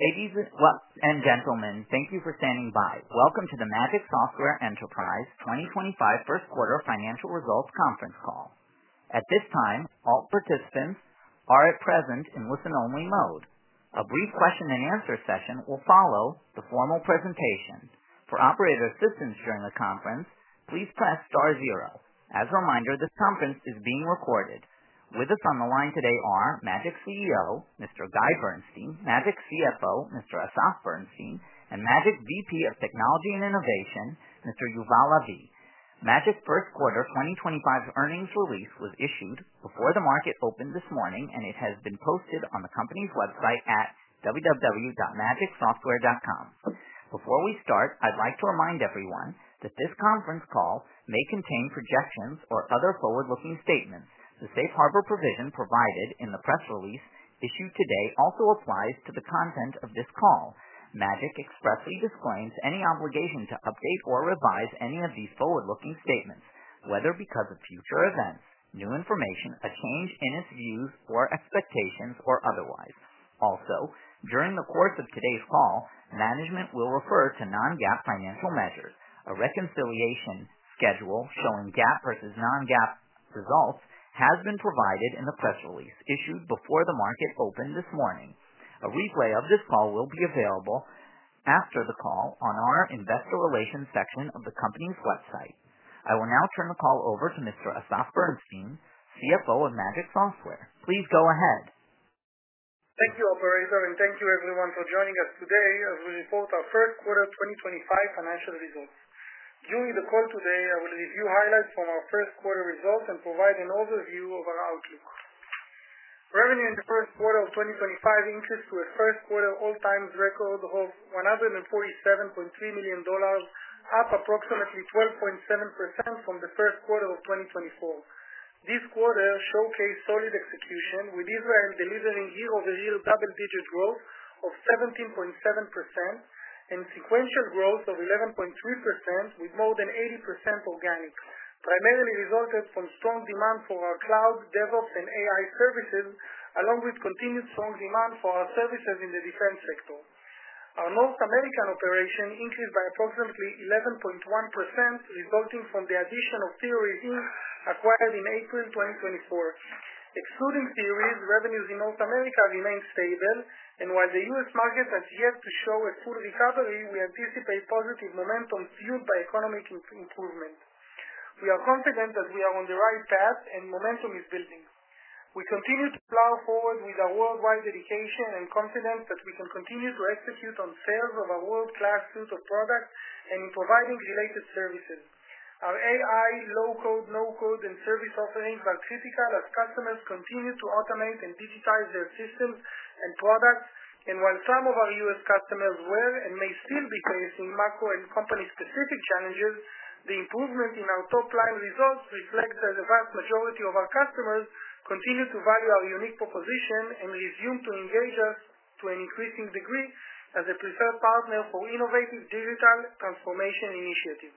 Ladies and gentlemen, thank you for standing by. Welcome to the Magic Software Enterprises 2025 First Quarter Financial Results Conference Call. At this time, all participants are at present in listen-only mode. A brief question-and-answer session will follow the formal presentation. For operator assistance during the conference, please press star zero. As a reminder, this conference is being recorded. With us on the line today are Magic CEO, Mr. Guy Bernstein; Magic CFO, Mr. Asaf Bernstein; and Magic VP of Technology and Innovation, Mr. Yuval Lavi. Magic First Quarter 2025 earnings release was issued before the market opened this morning, and it has been posted on the company's website at www.magicsoftware.com. Before we start, I'd like to remind everyone that this conference call may contain projections or other forward-looking statements. The safe harbor provision provided in the press release issued today also applies to the content of this call. Magic expressly disclaims any obligation to update or revise any of these forward-looking statements, whether because of future events, new information, a change in its views or expectations, or otherwise. Also, during the course of today's call, management will refer to non-GAAP financial measures. A reconciliation schedule showing GAAP versus non-GAAP results has been provided in the press release issued before the market opened this morning. A replay of this call will be available after the call on our investor relations section of the company's website. I will now turn the call over to Mr. Asaf Berenstin, CFO of Magic Software. Please go ahead. Thank you, Operator, and thank you, everyone, for joining us today as we report our First Quarter 2025 financial results. During the call today, I will review highlights from our First Quarter results and provide an overview of our outlook. Revenue in the First Quarter of 2025 increased to a First Quarter all-time record of $147.3 million, up approximately 12.7% from the First Quarter of 2024. This quarter showcased solid execution, with Israel delivering year-over-year double-digit growth of 17.7% and sequential growth of 11.3%, with more than 80% organic. Primarily resulted from strong demand for our Cloud, DevOps, and AI services, along with continued strong demand for our services in the defense sector. Our North American operation increased by approximately 11.1%, resulting from the addition of series acquired in April 2024.Excluding series, revenues in North America remain stable, and while the U.S. market has yet to show a full recovery, we anticipate positive momentum fueled by economic improvement. We are confident that we are on the right path, and momentum is building. We continue to plough forward with our worldwide dedication and confidence that we can continue to execute on sales of our world-class Suite of products and in providing related services. Our AI, Low-code, no-code, and service offerings are critical as customers continue to automate and digitize their systems and products. While some of our U.S. customers were and may still be facing macro and company-specific challenges, the improvement in our top-line results reflects that the vast majority of our customers continue to value our unique proposition and resume to engage us to an increasing degree as a preferred partner for innovative digital transformation initiatives.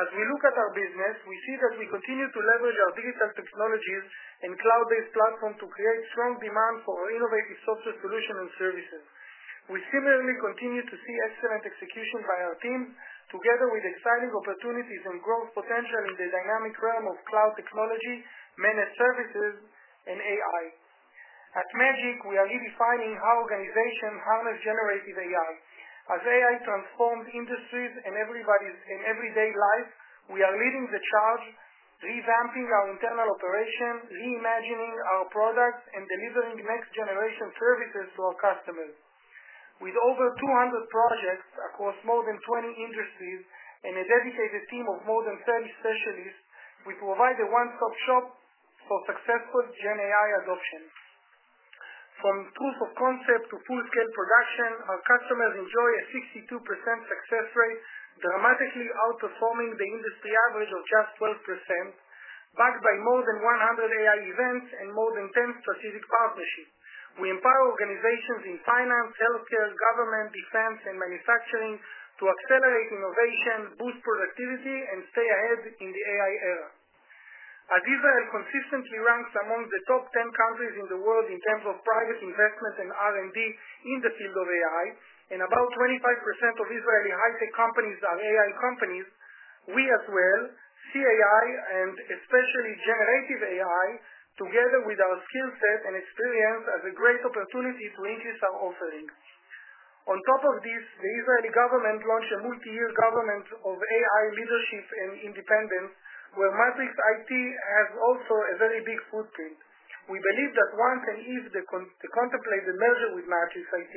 As we look at our business, we see that we continue to leverage our Digital technologies and Cloud-based platform to create strong demand for our innovative Software solutions and services. We similarly continue to see excellent execution by our team, together with exciting opportunities and growth potential in the dynamic realm of Cloud technology, managed services, and AI. At Magic, we are redefining how organizations harness generative AI. As AI transforms industries and everyday life, we are leading the charge, revamping our internal operation, reimagining our products, and delivering next-generation services to our customers. With over 200 projects across more than 20 industries and a dedicated team of more than 30 specialists, we provide a one-stop shop for successful GenAI adoption. From proof of concept to full-scale production, our customers enjoy a 62% success rate, dramatically outperforming the industry average of just 12%, backed by more than 100 AI events and more than 10 strategic partnerships. We empower organizations in finance, healthcare, government, defense, and manufacturing to accelerate innovation, boost productivity, and stay ahead in the AI era. As Israel consistently ranks among the top 10 countries in the world in terms of private investment and R&D in the field of AI, and about 25% of Israeli high-tech companies are AI companies, we as well see AI, and especially generative AI, together with our skill set and experience as a great opportunity to increase our offering. On top of this, the Israeli government launched a multi-year government of AI leadership and independence, where Matrix IT has also a very big footprint. We believe that once and if the contemplated merger with Matrix IT,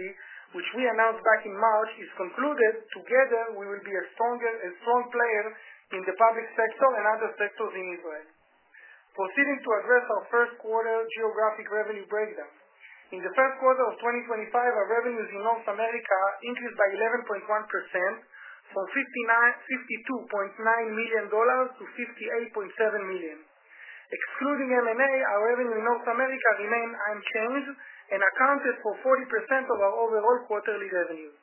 which we announced back in March, is concluded, together we will be a strong player in the public sector and other sectors in Israel. Proceeding to address our first quarter geographic revenue breakdown. In the first quarter of 2025, our revenues in North America increased by 11.1%, from $52.9 million to $58.7 million. Excluding M&A, our revenue in North America remained unchanged and accounted for 40% of our overall quarterly revenues.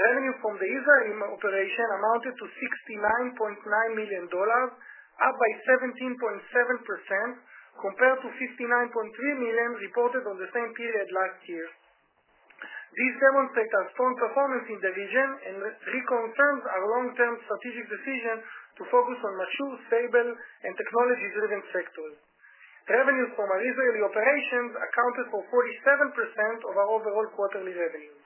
Revenue from the Israeli operation amounted to $69.9 million, up by 17.7%, compared to $59.3 million reported in the same period last year. This demonstrates our strong performance in the region and reconfirms our long-term strategic decision to focus on mature, stable, and technology-driven sectors. Revenues from our Israeli operations accounted for 47% of our overall quarterly revenues.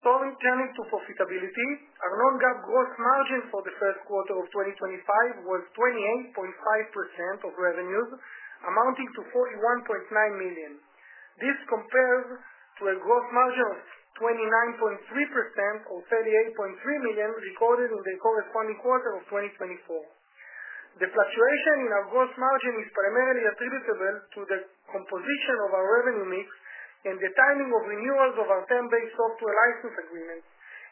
Turning to profitability, our non-GAAP gross margin for the First Quarter of 2025 was 28.5% of revenues, amounting to $41.9 million. This compares to a gross margin of 29.3% or $38.3 million recorded in the corresponding quarter of 2024. The fluctuation in our gross margin is primarily attributable to the composition of our revenue mix and the timing of renewals of our 10-base software license agreements.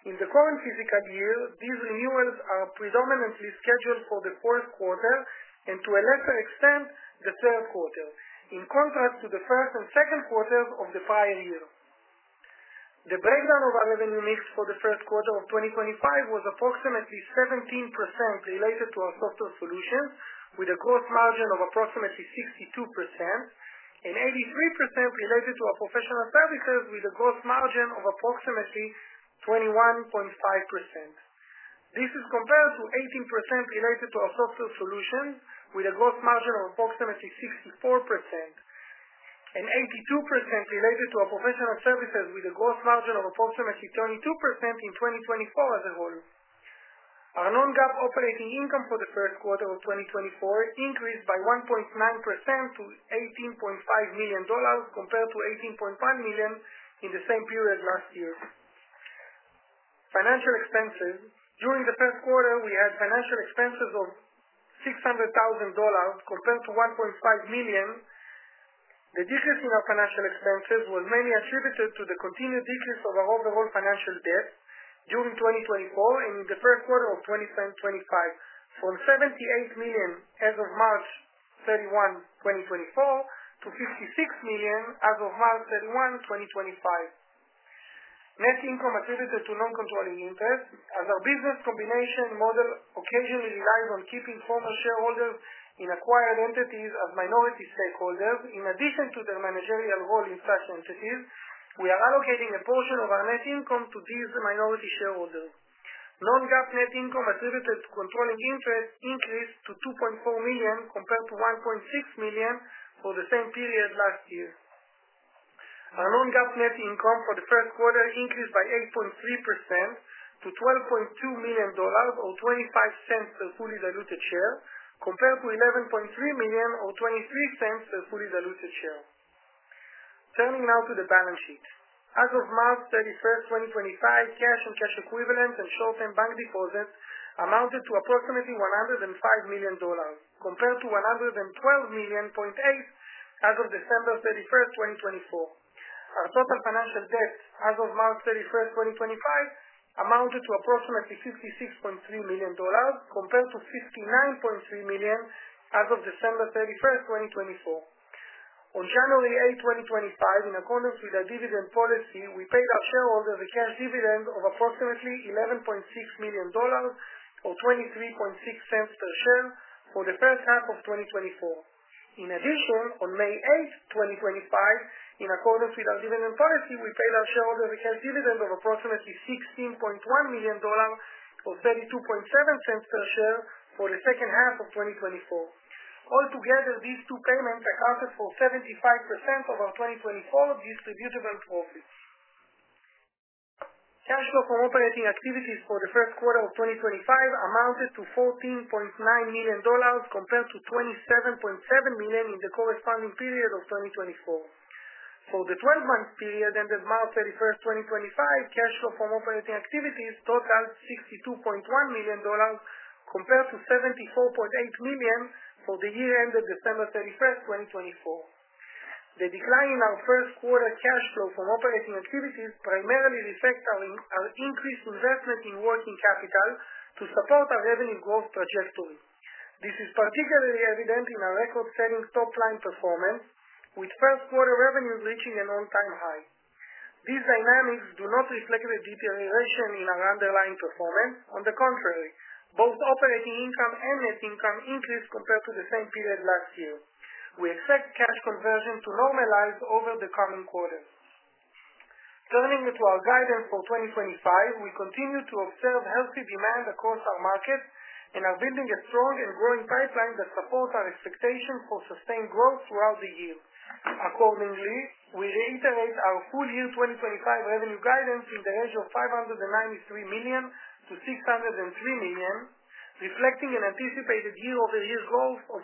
In the current fiscal year, these renewals are predominantly scheduled for the Fourth Quarter and, to a lesser extent, the Third Quarter, in contrast to the First and Second Quarters of the prior year. The breakdown of our revenue mix for the First Quarter of 2025 was approximately 17% related to our Software solutions, with a gross margin of approximately 62%, and 83% related to our professional services, with a gross margin of approximately 21.5%. This is compared to 18% related to our software solutions, with a gross margin of approximately 64%, and 82% related to our professional services, with a gross margin of approximately 22% in 2024 as a whole. Our non-GAAP operating income for the first quarter of 2024 increased by 1.9% to $18.5 million, compared to $18.1 million in the same period last year. Financial expenses. During the first quarter, we had financial expenses of $600,000, compared to $1.5 million. The decrease in our financial expenses was mainly attributed to the continued decrease of our overall financial debt during 2024 and in the first quarter of 2025, from $78 million as of March 31, 2024, to $56 million as of March 31, 2025. Net income attributed to non-controlling interest. As our business combination model occasionally relies on keeping former shareholders in acquired entities as minority stakeholders, in addition to their managerial role in such entities, we are allocating a portion of our net income to these minority shareholders. Non-GAAP net income attributed to controlling interest increased to $2.4 million, compared to $1.6 million for the same period last year. Our non-GAAP net income for the first quarter increased by 8.3% to $12.2 million, or $0.25 per fully diluted share, compared to $11.3 million, or $0.23 per fully diluted share. Turning now to the balance sheet. As of March 31st, 2025, cash and cash equivalents and short-term bank deposits amounted to approximately $105 million, compared to $112.8 million as of December 31st, 2024. Our total financial debt as of March 31st, 2025, amounted to approximately $56.3 million, compared to $59.3 million as of December 31st, 2024.On January 8, 2025, in accordance with our dividend policy, we paid our shareholders a cash dividend of approximately $11.6 million, or $0.23 per share, for the first half of 2024. In addition, on May 8th, 2025, in accordance with our dividend policy, we paid our shareholders a cash dividend of approximately $16.1 million, or $0.32 per share, for the second half of 2024. Altogether, these two payments accounted for 75% of our 2024 distributable profits. Cash flow from operating activities for the first quarter of 2025 amounted to $14.9 million, compared to $27.7 million in the corresponding period of 2024. For the 12-month period ended March 31st, 2025, cash flow from operating activities totaled $62.1 million, compared to $74.8 million for the year ended December 31st, 2024.The decline in our first quarter cash flow from operating activities primarily reflects our increased investment in working capital to support our revenue growth trajectory. This is particularly evident in our record-setting top-line performance, with first quarter revenues reaching an all-time high. These dynamics do not reflect a deterioration in our underlying performance. On the contrary, both operating income and net income increased compared to the same period last year. We expect cash conversion to normalize over the coming quarters. Turning to our guidance for 2025, we continue to observe healthy demand across our markets and are building a strong and growing pipeline that supports our expectations for sustained growth throughout the year. Accordingly, we reiterate our full-year 2025 revenue guidance in the range of $593 million-$603 million, reflecting an anticipated year-over-year growth of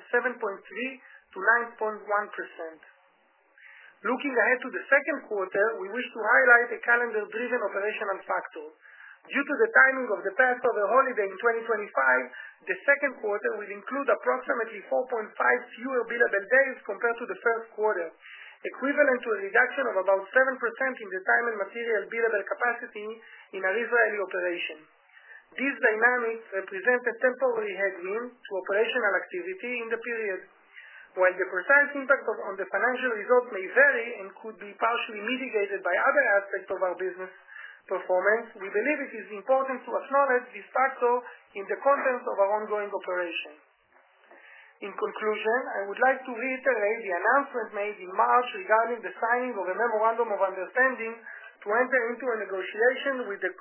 7.3%-9.1%.Looking ahead to the second quarter, we wish to highlight a calendar-driven operational factor. Due to the timing of the Passover holiday in 2025, the second quarter will include approximately 4.5 fewer billable days compared to the first quarter, equivalent to a reduction of about 7% in the time and material billable capacity in our Israeli operation. These dynamics represent a temporary headwind to operational activity in the period. While the precise impact on the financial results may vary and could be partially mitigated by other aspects of our business performance, we believe it is important to acknowledge this factor in the context of our ongoing operation. In conclusion, I would like to reiterate the announcement made in March regarding the signing of a memorandum of understanding to enter into a negotiation with the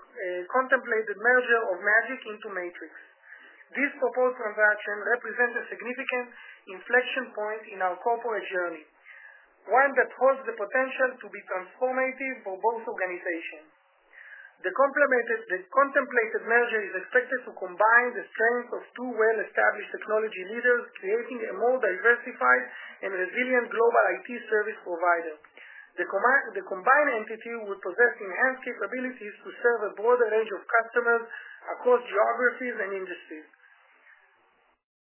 contemplated merger of Magic into Matrix.This proposed transaction represents a significant inflection point in our corporate journey, one that holds the potential to be transformative for both organizations. The contemplated merger is expected to combine the strengths of two well-established technology leaders, creating a more diversified and resilient global IT service provider. The combined entity would possess enhanced capabilities to serve a broader range of customers across geographies and industries,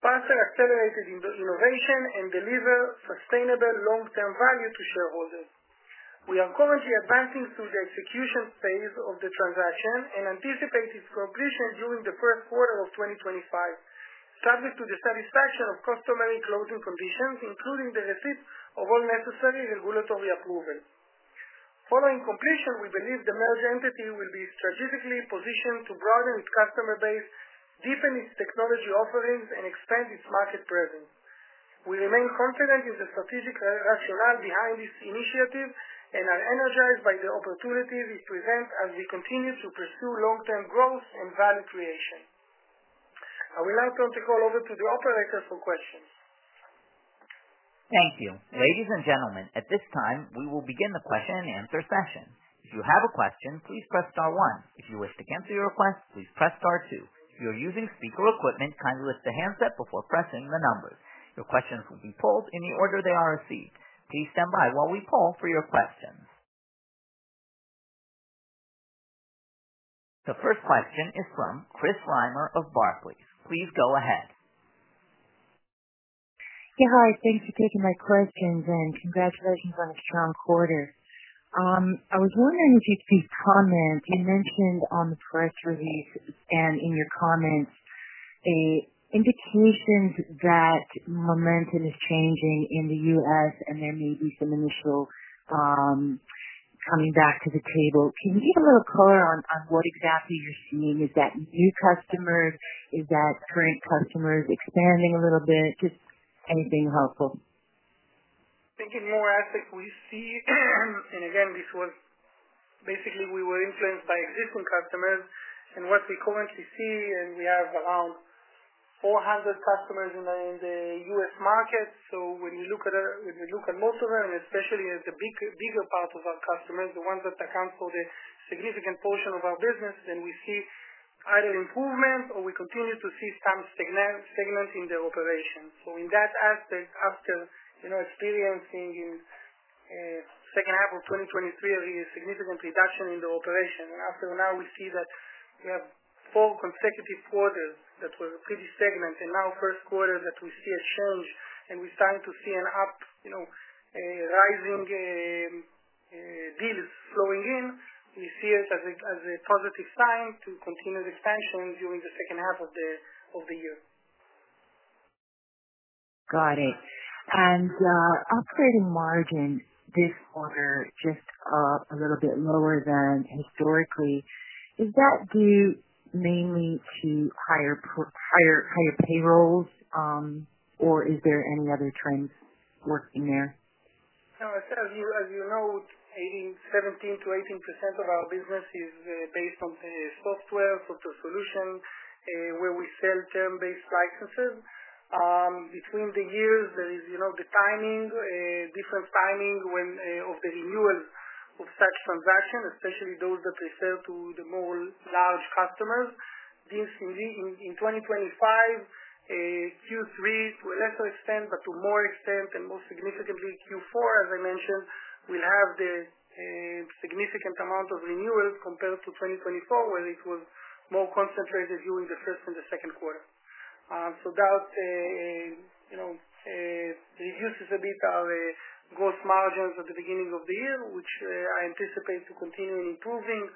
faster accelerated innovation, and deliver sustainable long-term value to shareholders. We are currently advancing through the execution phase of the transaction and anticipate its completion during the first quarter of 2025, subject to the satisfaction of customary closing conditions, including the receipt of all necessary regulatory approvals. Following completion, we believe the merger entity will be strategically positioned to broaden its customer base, deepen its technology offerings, and expand its market presence. We remain confident in the strategic rationale behind this initiative and are energized by the opportunities it presents as we continue to pursue long-term growth and value creation. I will now turn the call over to the operators for questions. Thank you. Ladies and gentlemen, at this time, we will begin the question-and-answer session. If you have a question, please press star one. If you wish to cancel your request, please press star two. If you are using speaker equipment, kindly lift the handset before pressing the numbers. Your questions will be polled in the order they are received. Please stand by while we poll for your questions. The first question is from Chris Reimer of Barclays. Please go ahead. Yeah, hi. Thanks for taking my questions, and congratulations on a strong quarter. I was wondering if you could comment. You mentioned on the press release and in your comments indications that momentum is changing in the U.S., and there may be some initial coming back to the table. Can you give a little color on what exactly you're seeing? Is that new customers? Is that current customers expanding a little bit? Just anything helpful. Thinking more as we see, and again, this was basically we were influenced by existing customers. And what we currently see, and we have around 400 customers in the U.S. market. So when we look at most of them, and especially the bigger part of our customers, the ones that account for the significant portion of our business, then we see either improvement or we continue to see some segment in their operations.In that aspect, after experiencing in the second half of 2023 a significant reduction in their operation, after a while we see that we have four consecutive quarters that were pretty segment, and now first quarter that we see a change, and we're starting to see an up rising deals flowing in, we see it as a positive sign to continue the expansion during the second half of the year. Got it. Operating margin this quarter just a little bit lower than historically. Is that due mainly to higher payrolls, or is there any other trends working there? No, as you know, 17%-18% of our business is based on software software solution where we sell term-based licenses. Between the years, there is the timing, different timing of the renewals of such transactions, especially those that refer to the more large customers.In 2025, Q3 to a lesser extent, but to more extent, and most significantly Q4, as I mentioned, we'll have the significant amount of renewals compared to 2024, where it was more concentrated during the first and the second quarter. That reduces a bit our gross margins at the beginning of the year, which I anticipate to continue improving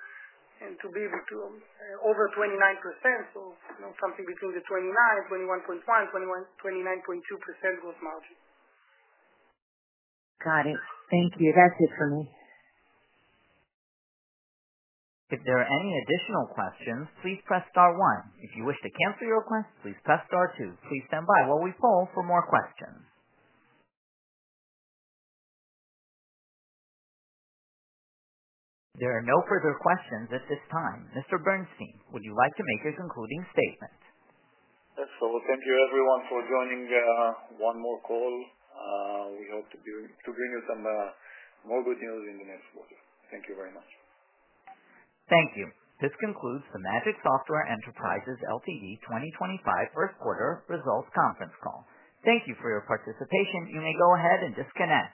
and to be over 29%, so something between the 29%, 29.1%, 29.2% gross margin. Got it. Thank you. That's it for me. If there are any additional questions, please press star one. If you wish to cancel your request, please press star two. Please stand by while we poll for more questions. There are no further questions at this time. Mr. Berenstin, would you like to make your concluding statement? Yes. Thank you, everyone, for joining one more call. We hope to bring you some more good news in the next quarter. Thank you very much. Thank you. This concludes the Magic Software Enterprises 2025 First Quarter Results Conference Call. Thank you for your participation. You may go ahead and disconnect.